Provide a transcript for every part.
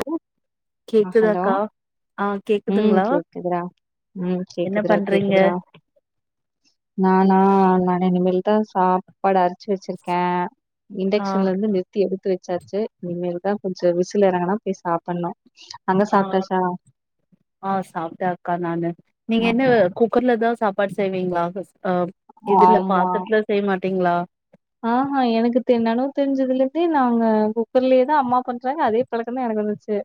ஹ ஆ ஹலோ உம் கேக்குதுங்களா கேக்குதுறா உம் என்ன கேக்குதுறா பண்றீங்க கேக்குதுறா நானா நான் இனிமேல்தா சாப்பாடு அரிச்சு வச்சிருக்க ஆ இண்டக்ஷன்ல இருந்து நிறுத்தி எடுத்து வெச்சா சேர் இனிமேல்தா கொஞ்சோ விசில் இறங்கனா போய் சாப்பிடணு ஆ ஆ சாப்ட அக்கா நானு நீங்க என்ன ஓகே குக்கர்லத சாப்பாடு செய்வீங்களா பஸ் அஹ் இதுல ஆமா பாத்தரத்துல செய்ய மாட்டீங்களா ஆஹா எனக்கு நெனவு தெரிஞ்சுதுல இருந்தே நாங்க குக்கர்லயேதா அம்மா பண்றாங்க அதே பழக்கந்தா எனக்கு வந்துச்சு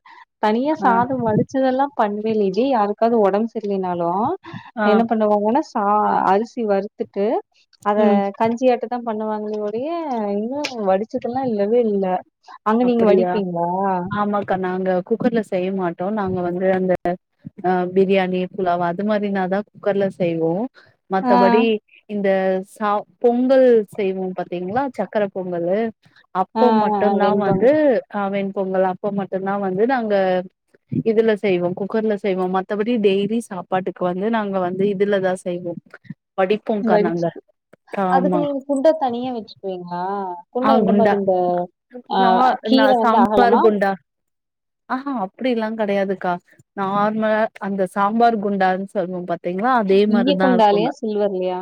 தனியா ஆ சாதம் வடிச்சதெல்லா பண்வேலஜே யாருக்காவது ஒடம்பு சரியிலைனாலு ஆ என்ன பண்ணுவோனா சா அரிசி வறுத்துட்டு அத ம் கஞ்சி ஆட்டதா பண்ணுவாங்கள ஒடிய இன்னும் வடிச்சத்தல்லா இல்லவே இல்ல அங்க நீங்க அப்படியா வடிப்பீங்களா ஆமாக்கா நாங்க குக்கர்ல செய்ய மாட் டோ நாங்க வந்து அந்த அ ஆ பிரியாணி புலாவா அது மாரினாதா குக்கர்ல செய்வோ ஆ மத்தபடி இந் த சா பொங்கல் செய்வோ பாத்தீங்களா சக்கர பொங்கலு ஆ அப்போ ஆ மட்டுத்தா வந்து வெண்பொங்கு அ வெண் பொங்கல் அப்போ மட்டுந்தா வந்து நாங்க இதுல செய்வோ குக்கர்ல செய்வோ மத்தபடி டெய்லி சாப்பாட்டுக்கு வந்து நாங்க வந்து இதுலதான் செய்வோ வடிப்போக்கா நாங்க வடிச்சுக்கு ஆமா அதுக்கு நீங்க குண்டா தனியா வச்சுக்குவீங்களா குண்டா எந்த மாதி இந்த நா ஆஹ் நா கீழ வந்து சாம்பார் அகலமா குண்டா ஆஹா அப்படியெல்லா கெடையாதுக்கா நார்மலா அந்த சாம்பார் குண்டானு சொல்லுவோம் பாத் இய்ய குண்டாலயா சில்வர்லையா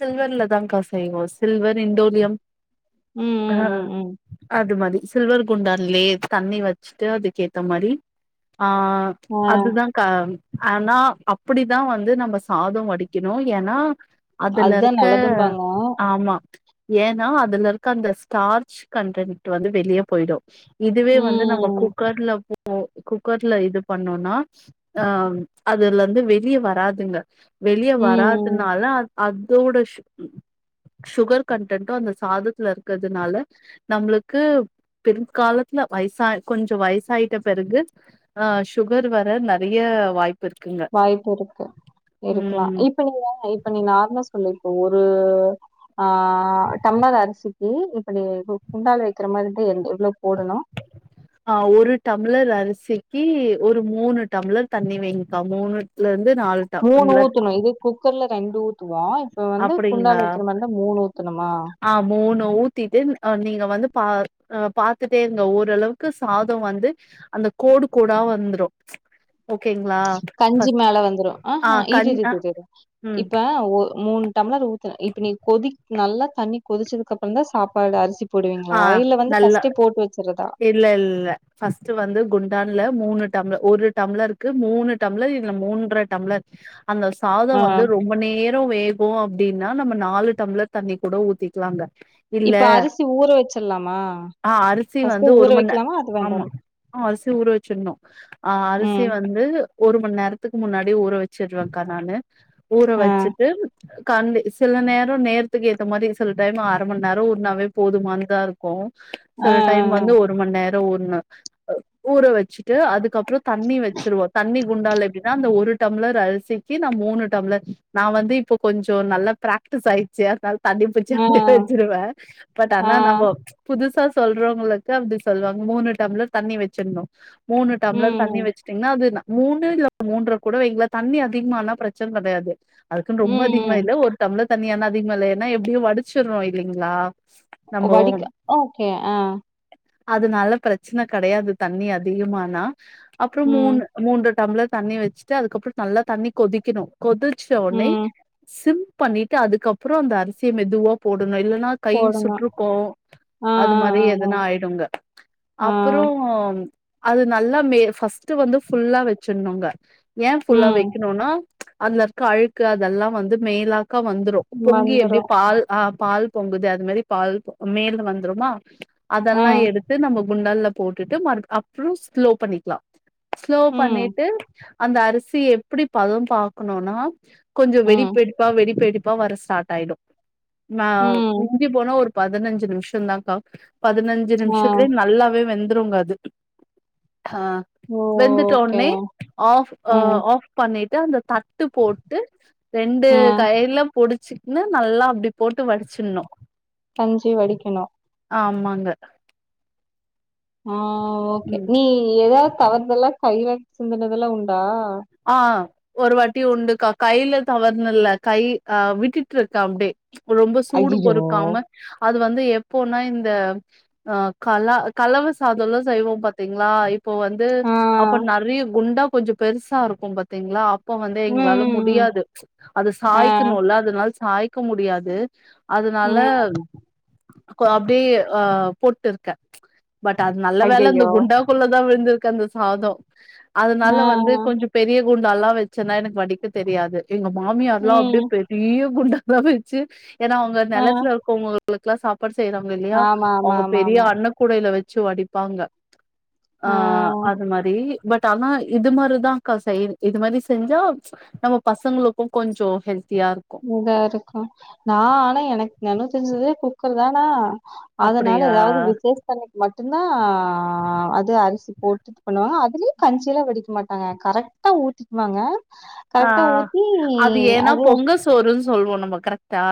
சில்வர்லதான்கா செய்வோ சில்வர் இண்டோலியம் ம் ம் ம் ஆஹ் ம் அதுமாதி சில்வர் குண்டாலேயே தண்ணி வச்சுட்டு அதுக்கேத்த மாரி ஆஹ ஆ அதுதாங்க்கா ஆனா அப்படிதா வந்து நம்ம சாதம் வடிக்கணும் ஏனா அதுல அதுதா இருக்க நல்லதும்பாங்க ஆமா ஏனா அதுெல்ல க்க அந்த ஸ்டார்ச் கண்டன்ட் வந்து வெளியே போயிடு இதுவே வந்து நம்ம ம் குக்கர்ல போ ஓ குக்கர்ல இது பண்ணோனா அஹ் அதுல இருந்து வெளியே வராதுங்க வெளிய ம் வராதுனால அதோட சு சுகர் கன்டன்டு அந்த சாத இருக்கிறதுனால நம்மளுக்கு பிற்காலத்துல வயசா கொஞ்சோ வயசாயிட்ட பிறகு ஆஹ் சுகர் வர நெறைய வாய்ப்பு இருக்குங்க. வாய்ப்பு இருக்கு இருக்கலா ம். இப்ப நீங்க இப்ப நீ நார்மலா சொல்லிரு ஒரு ஆஹ் டம்ளர் அரிசிக்கு இப்ப நீ குண்டாளே வெக்கிற மாரி இருந்தா எந் எவ்ளோ போடணும்? ஆஹ் ஒரு டம்ளர் அரிச் சிக்கி ஒரு மூணு டம்ளர் தண்ணி வைங்கிக்கா மூணுல இருந்து நாலு மூணு டம்ளர் ஊத்தணு இது குக்கர்ல ரெண்டு ஊத் அப்டிங்களா ஊத்தணுமா? ஆஹ் மூணு ஊத்திட்டு அ நீங்க வந்து பா அஹ் பாத்துட்டே இருங்க ஓரளவுக்கு சாதோ வந்து அந்த கோடு கோடா வந்துரு ஓகேங்களா கஞ்சி ஃபஸ்ட் மேல வந்துரும் ஆ ஆஹ்ஹ் இரு கண் இரு அ இரு ம் இப்ப ஒரு மூன் டம்ளர்ல ஊத்தற இப்ப நீ கொதி நல்லா தண்ணி கொதிச்சதுக்கு அப்புற தா சாப்பாடு அரிசி போடுவீங்களா ஆ இல்ல வந்து நல்லா ஃபர்ஸ்டே போட்டு வச்சிரு இல்ல இல்ல ஃபர்ஸ்ட் வந்து குண்டான்ல மூணு டம்ளர் ஒரு டம்ளருக்கு மூணு டம்ளர் இல்ல மூன்றரை டம்ளர் அந்த சாத ஆ. வந்து ரொம்ப நேரோ வேக இப்போ அப்டின்னா நம்ம நாலு டம்ளர் தண்ணி கூட ஊத்திக்கலாங்க இல்ல இப்ப அரிசி ஊற வச்சிடலாமா ஆ அரிசி வந்து ஒரு மணி நே ஆமா அரிசி ஊர வச்சிடணு ஆஹ் அரிசி ம். வந்து ஒரு மணி நேரத்துக்கு முன்னாடி ஊற வச் வச்சிருவேங்க்கா நானு ஊற ஆ. வச்சிட்டு கண்டி சில நேரம் நேரத்துக்கு ஏத்த மாதிரி சில டைம் அரை மணி நேர ஊறுனாவே போதுமானதா இருக்கு சில அன் டைம் வந்து ஒரு மணிநேரம் ஊறனா ஊற வெச்சுட்டு அதுக்கு அப்புறம் தண்ணி வெச்சிடுவோம் தண்ணி குண்டா எப்படின்னா அந்த ஒரு டம்ளர் அரிசிக்கு நான் மூணு டம்ளர் நான் வந்து இப்ப கொஞ்சம் நல்லா பிராக்டிஸ் ஆயிடுச்சு அதனால தண்ணிப்பிச்சு அப்படியே வெச்சிருவேன் பட் ஆனா நம்ம ம் புதுசா சொல்றோம் ங்களுக்கு அப்படி சொல்லுவாங்க மூணு டம்ளர் தண்ணி வச்சிடணும் மூணு டம்ளர் தண்ணி வச்சட்டீங்கன்னா அது நல்ல மூணு இல்ல மூன்ற கூட வைங்கலெ தண்ணி அதிகமால்லாம் பிரச்சன கெடையாது அதுக்குன்னு ரொம்ப அதிகமா இல்ல ஒரு டம்ளர் தண்ணீலாம் அதிகமயில்லென எப்படியும் வடிச்சிறோம் இல்லைங்களா நம்போ வடிக்க ஓகே ஆ அதனால பிரச்சன கெடையாது தண்ணி அதிகமானா அப்புறம் ம். மூன் மூன்றரை டம்ளர் தண்ணி வெச்சுட்டு அதுக்கப்புறம் நல்லா தண்ணி கொதிக்கணும் கொதச்சா உட்னே ம். சிம் பண்ணிட்டு அதுக்க அப்புறம் அந்த அரிசியை மெதுவா போட்டு இல்லன்னா கை போடணும். சுற்றுக்கும் ஆ, அது ஆ, ஆ, மறையாது ஏதுன்னா ஆயிடுங்க ஆ, ஆ. அப்புறம் அது நல்லா மெட் ஃபர்ஸ்ட் வந்து ஃபுல்லா வெச்சிருனுங்க ஏன் ஃபுல்லா ம். வைக்கணுனா அதுல இருக்க அழுக்கு அதெல்லாம் வந்து மேலாக ஒருக்கா வந்துரும் பொங்கி எப்படி வந்துரும். பால் ஹான் பால் பொங்குது அது மாதிரி பால் மேல வந்துருமா ஆ. அதெல்லாம் எடுத்து நம்ம குண்டல்ல போட்டுட்டு மறு அப்புறம் ஸ்லோ பண்ணிக்கலாம் ஸ்லோ ம். பண்ணிட்டு அந்த அரிசிய எப்படி பதம் பாக்கணும்னா கொஞ்சம் வெடி ம். வெடிப்டுப்பா வெடி வெடிப்டுப் அப்ப வர ஸ்டார்ட் ஆயிடும் ஆ ம். மிஞ்சி போனா ஒரு பதினஞ்சு நிமிஷம் தான் கா பதினஞ்சு ஆ. நிமிஷத்துல நல்லாவே வெந் தூங்காது ஹ ஓ! வெந்துட்ட ஓகே. உடனே ஆஃப் ம். ஆஃப் பண்ணிட் [unintelligible] விட்டு போட்டு ரெண்டு ஆ. கயல்ல புடிச்சு ன்னு நல்லா அப்டி போட்டு வடிச்சிருனு கஞ்சி வடிக்கணும். ஆமா அங்க ஆ ஓகே நீ ஏதாது தவறுதலா [unintelligible] உண்டா ஆ ஒரு வாட்டி உண்டுக்கா கையில தவறனுல கை அ விட்டுட்டு இருக்க அப்டி ரொம்ப சூடு ஐயய்யோ! பொறுக்காம அது து வந்து எப்போனா இந்த அ கல கலவ சாதொலா செய்வோம் பாத்தீங்களா இப்போ வந்து ஆ. அப்போ நிறைய குண்டா கொஞ்ச பெருசா இருக் ஒம்பத்திங்களா அப்ப வந்து ம், எங்களால ம், ம். முடியாது அத ஆ. சாய்க்கணுல அதனால சாய்க்க முடியாது அதனால ம். அப்டி அ போட்டுருக்க பட் அது நல்ல வேலை இந்த ஐயய்யோ! குண்டாக்குள்ளதான் விழுந் இருந்திருக்க அந்த சாதம் அதனால ஆ. வந்து கொஞ்ச பெரிய குண்டாலா வச்சேன்னா எனக்கு வடிக்க தெரியாது எங்க மாமியார்ல்லாம் அப்படியே ம். பெரிய குண்டா பிரமிச்சு ஏன்னா அவங்க ஆ நிலத்துல இருக்கவங்க உங்களுக்குளா சாப் ப்பாடு செய்யறாங்க இல்லயா ஆமா ஆமா அவங்க ஆமா பெரிய ஆமா அன்ன கூடையில வச் வச்சு வடிப்பாங்க ஆ ஆஹ் அது மாதிரி பட் அதான் இது மாதிரிதான் கசைது இது மாதிரி செஞ்சா நம்ம பசங்களுக்கும் கொஞ்ச ஹெல்த் இதா இருக்கு நான் ஆனா எனக்கு ந தெரிஞ்சது குக்கர் தானா அதனால அப்டியா ஏதாவது விசேஷத்தக்கு மட்டும் மட்டுந்தான் அது அரிசி போட்டுட்டு பண்ணுவாங்க அதுல கஞ்சியெல்லாம் வடிக்க மாட்டாங்க கரெக்டாக ஊத்திக்குவாங்க கரெக்ட்டா ஆஹ் ஊத்தி அது ஏன்னா பொங்கல் சோறுன் சொல்வோம் நம்ம கரெக்டா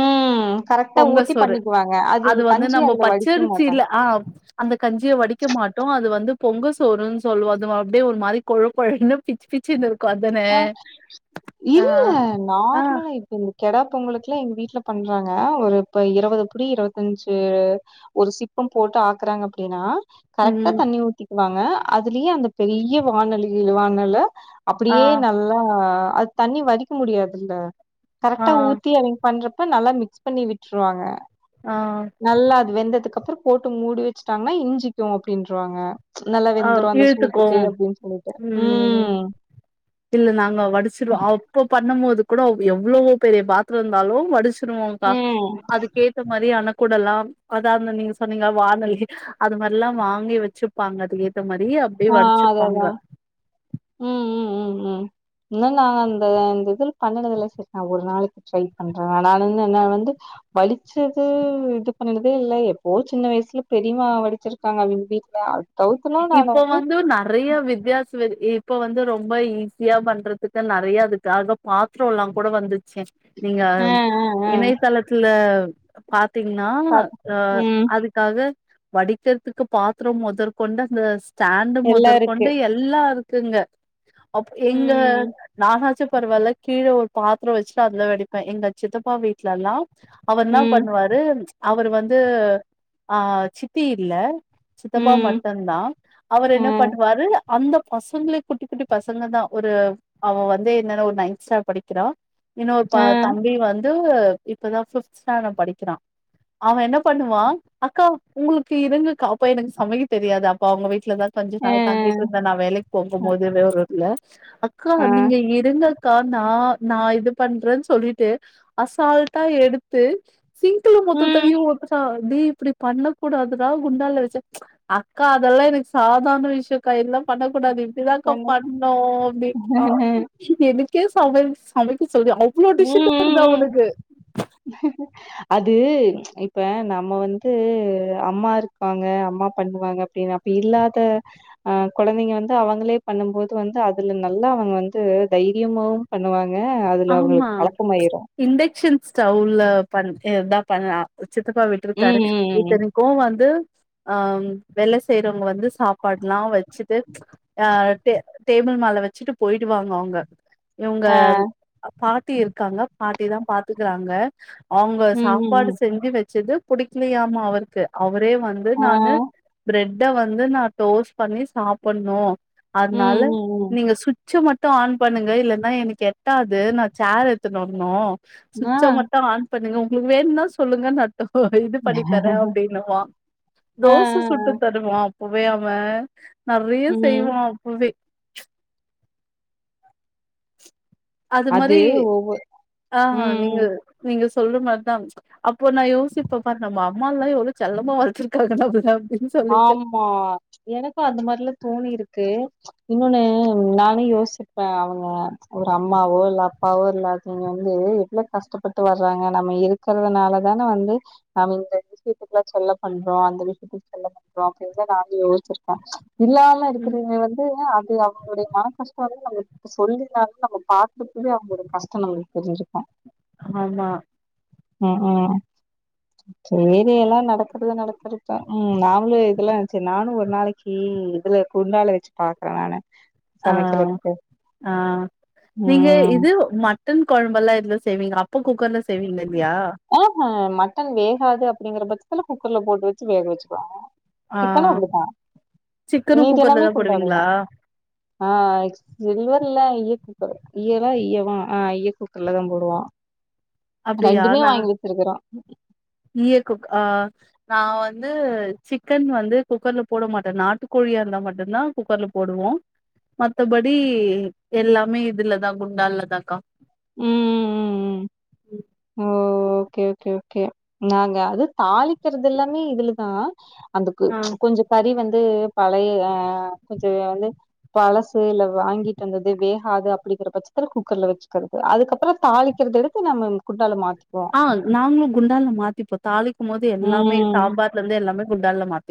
ம் கரெக்ட்டா ஊத்தி பொங்கசொறு பண்ணிக்குவாங்க. அது வந்து கஞ்சி நம்ம அதுல வடிக்கவும் மாட்டாங்க. பச்சரிசில ஆஹ் அந்த கஞ்சியை வடிக்க மாட்டோம் அது வந்து பொங்க சோறுன்னு சொல்வோம் அப்படியே ஒரு மாதிரி கொழ கொழன்னு பிச்சு பிச்சுனு இருக்கு கொதன ஆ ஆஹ் ஆஹ் கிடா பொங்கலுக்கெல்லாம் எங்க வீட்டுல பண்றாங்க ஒரு இப்ப இருபது புடி இருபத்தஞ்சு ஒரு சிப்பம் போட்டு ஆக்குறாங்க அப்படின்னா கரெக்டா ம் தண்ணி ஊத்தி வாங்க அதுலயே அந்த பெரிய வாணலிலவாங்கள ஆ அப்டியே நல்லா அது தண்ணி வடிக்க முடியாதில்ல ஆ கரெட்டா ஊத்தி அவிங்க பண்றப் அப்ப நல்லா மிக்ஸ் பண்ணி விட்டுருவாங்க ஆ நல்லா அது வெந்ததுக்கு அப்புறோ போட்டு மூடி வச்சுட்டாங்னா இஞ்சிக்கு அப்டின்றாங்க நல்லா ஆ வெந்துரு அந்த இழுத்துக்கு சூட்டுக்கு அப்டின்னு சொல்லிட்டு ம் இல்ல நாங்க வடிச்சிடுவோ அப்போ பாத் பண்ணு போது கூட எவ்ளோவோ பெரிய பாத்திர இருந்தாலு வடிச் சொல்லுவோங்கா ம். அதுக்கேத்த மாரி ஆனா கூடலா அதாவது நீங்க சொன்னீங்க வானொலி அது மாரில்லா வாங்கி வச்சுப்பாங்க [unintelligible] இந்த மாரி அப்டியே ஆ அதான் வடிச்சுப்பாங்க அதான். ம் ம் ம் ம் இன்னு நாங்க அந்த அந்த இதுல பண்ணறது இல்ல சிஸ் நா ஒரு நாளைக்கு ட்ரை பண்றே ஆனாலு நா நா வந்து வலிச்சது இது பண்ணனது இல்ல எப்போ சின்ன வயசுல பெரிமா வடிச்சிருப்பாங்க அவிங்க வீட்ல தவுத்துலா நானு இப்போ வந்து நெறைய வித்யாச இப்ப வந்து ரொம்ப ஈஸியா பண்றதுக்கு நெறைய அதுக்கு ஆக பாத்ரோல்லா கூட வந்துச் செரி நீங்க ஆ ஆ ஆ இணையதளத்துல பாத் தீங்னா பாத் அ ம் அதுக்காக வடிக்கிறதுக்கு பாத்ரோ மொதல் கொண்டாங்க சாண்டு எல்லா மொதற்க் இருக்கு கொண்டு எல்லாருக் துங்க அப் எங்க ம் நானாச்சு பரவால்ல கீழ ஒரு பாத்ரோ வச்சு தா அதுல வெடிப்பே எங்க சித்தப்பா வீட்ல எல்லா அவர் என்னா ம் பண்ணுவாரு அவர் வந்து ஆ சித்தி இல்ல சித்தப்பா ம் மட் டு தா அவர் ஆ என்ன பண்ணுவாரு அந்த பசங்ளே குட்டி குட்டி பசங்க தா ஒரு அவெ வந்து என்னன்னா ஒரு நைன் ஸ்டாண்ட் படிக்கிறா இன்னொரு த ஆ தம்பி வந் து இப்பதா ஃபிப்த் ஸ்டாண்டர் படிக்கிறா அவெ என்ன பண்ணுவா அக்கா உங்களுக்கு இருங்க கா அப்போ எனக்கு சமைக்க தெரியாது அப்ப அவுங்க வீட் ட்ல தா தங்கி நா ஆ தாங்கிட்டு இருந்த நா வேலைக்கு போகு போது வேரோட்ல அக்கா ஆ நீங்க இருங்க க்கா நா நா இது பண்றன்னு சொல்ட்டு அசால்ட்டா எடுத்து சிங்ள ம் மொத்தத்தையு அப்டிதா டேய் இப்படி பண்ண கூடாதுடா குண்டால வெச்சு ப்ச் அக்கா அதெல்லா எனக்கு சாதாரண விஷயொக்கா எல்லா பண்ணக்கூடாது இதுதாக்கா பண்ணோ அப்படின்றா ம் எனக் [unintelligible] சொல்லி அவ்ளவு டிஷ் [unintelligible] ம் வருதா ம் அவனுக்கு அது ப்ச் இப்ப நம்ம வந்து அம்மா இருக்காங்க அம்மா பண்ணுவாங்க அப்படின்னு அப்ப இல்லாத அஹ் குழந்தைங்க வந்து அவங்களே பண்ணும்போது வந்து அதுல நல்லா அவங்க வந்து தைரியமாவும் பண்ணுவாங்க ங்க அதுல ஆ அவங்களுக்கு ப்ச் பழக்கமாயிரு. இண்டக்க்ஷன் ஸ்டவ்ல பண் [unintelligible] பண்லா சித்தப்பா ம், விட்டுருக்காரு ம், ம், ம். இத்தனைக்கூ வந்து அஹ் வேலை செய்யறவங்க வந்து சாப் பாடுலா வெச்சுட்டு ப்ச் ஆஹ் டே டேபிள் மேல வெச்சுட்டு போயிடு வாங்க அவுங்க இவங்க ஆ. பாட்டி இருக்காங்க பாட்டிதா பாத்துக்கறாங்க அவுங்க ம், ம், சாப்பாடு ம். செஞ்சு வெச்சது புடிக்கலயாமா அவருக்கு அவர் ரே வந்து ஆ. நானு பிரெட் இத வந்து நா டோஸ் பண்ணி சாப்பிடணு ம், அதனால ம், ம். நீங்க சு சுச்ச மட்டூ ஆன் பண்ணுங்க இல்லன்னா எனக்கு எட்டா து நா சேர் எத்துனு வரனு ஆ. சுச்ச மட்டூ ஆன் பண்ணுங்க உங்களுக்கு வேணுனா சொல்லுங்க நா இது பண்ணி தர்ர அப்படின்னுவா ஆ, ஆ, தோச ஆ. சுட்டுத் தருவா உபையாம நெறயா ம். செய்வான் புவி ப்ச் அது மாரி ஆஹ் ம், நீங்க ம். நீங்க சொல்லுமா அதா ப்ச் அப்போ நா யோசிப்ப பாரு நம்ம அம்மாலா எவ்ளோ செல்லமா வளத்திருக்காங்க அப் ஆமா எனக்கு அந்த மாரியல்லா தோணி இருக்கு இன்னொன்னு நானே யோசிப்ப அவங்க ஒரு அம்மாவோ இல்ல அப்பாவோ இல்லாதீங்க வந்து எவ்வளவு கஷ்டப்பட்டு வர்றாங்க நம்ம இருக்கிறதுனால தானே வந்து நம்ம இந்த விஷயத்துக்கெல்லா செல்லோ பண்றோ அந்த விஷயத்து பண்ரோ அப்படிதா நா யோச்சிருக்கே இல்லாலா ம் இருக்கிறங்க வந்து அது அவங்களுடைய மன கஷ்ட நம்மகிட்ட சொல்லனாலு நம்ம பாக்கு போதே அவங்களோட கஷ்ட நம்மளுக்கு தெரிஞ்சிருக்கு ஆமா உம் உம் சரி எல்லாம் நடக்கறது நடக்கறப்ப உம் நாங்ளு இதெல்லாம்ச்சே நானு ஒரு நாளைக்கு இதுல குண்டால வச்சு பாக்குறே நானு ஆஹ் சமைக்கிறதுக்கு ஆஹ் நீங்க ம் இது ம சிக்கன் குழம்பெல்லா எதுல செய்வீங்க அப்ப குக்கர்ல செய்வீங்கல்யா ஆஹ மட்டன் வேகாது அப்படிங்கற பட்சத்தல குக்கர்ல போட்டு வச்சு வேக வச்சுக்குவாங்க ஆ சிக்கணு அப்படிதா சிக்கனு மீதி எல்லாமே குக்கர்லதா போடுவீங்களா குண்டாலதா ஆஹ் சில்வர்லா இருக்கு யல்லா யவா ஆஹ் யக்கூக்கள்ல தா போடுவா அப்டியா [unintelligible] வச்சிருக்கறோ [inaudible] ஈய குக் ஆஹ் நா வந்து சிக்கன் வந்து குக்கர்ல போட மாட்டேன் நாட்டுக்கோழியா இருந்தா மட்டுந்தா குக்கர்ல போடுவோ மத்தபடி எல்லாமே இதுலதா குண்டாலதாக்கா உம் உம் ம் ஓ ஓகே ஓகே ஓகே நாங்க அது தாளிக்கறதெல்லாமே இதுலதா அதுக்கு ஆ கொஞ்ச கறி வந் பழை ஆஹ் கொஞ்ஜோ வந்து பழசு இல வாங்கிட்டு வந்தது வேகாது அப்படிங்கிற பட்சத்து குக்கர்ல வச்சு அதுக்கப்பற தாளிக்கறது எடுத்து நம்ம குண்டால மாத்த ஆஹ் நாங்களு குண்டால மாத்திப்போ தாளிக்கு போது எல்லாமே ம் சாம்பார்ல இருந்து எல்லாமே குண்டால மாத்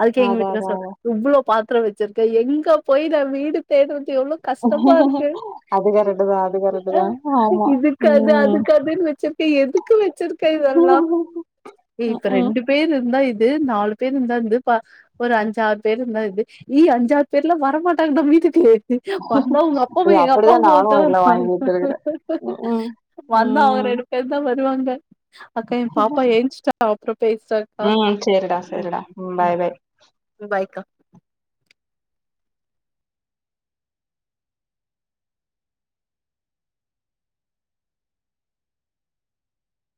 அதுக்கே எங்க அதா வீட்டுக்கா அதா சொ இவ்ளோ பா த்த வச்சிருக்கே எங்க போய் நா வீடு தேடூர எவ்ளோ கஷ்டமாருக்கு அது கரெக்ட்டு தா அது கரெக்ட்டு தா ஆமா இதுக்க அது ம் அதுக்கதுன்னு வச்சு எதுக்கு வச்சிருக்க இதெல்லா ம்ஹூம் இப்ப ரெண்டு பேர் இருந்தா இ நாலு பேர் இருந்தா இந்து ப ஒரு அஞ்சாறு பேர் இருந்தா இருந்து நீ அஞ்சாறு பேர்ல வரமாட்டாங்க நம் வீட்டுக்கு வந்தா உங்கப்பம்மா இது அப்டிதா எங்கப்பம்மாவ நானு தவற எல்லா வாங்கி வச்சிருக்கிறே ம்ஹூம் வந்தா அவங்க ம் ரெண்டு தா வருவாங்க அக்கா ஏ பாப்பா ஏன்ச்சிட்டா அப்புற பேசுறா அக்கா ம் சேரிடா சேரிடா ம் பாய் பாய் பாய்க்கா